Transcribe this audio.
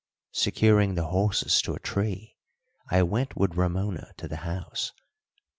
Securing the horses to a tree, I went with Ramona to the house.